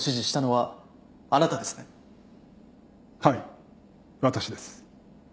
はい私です。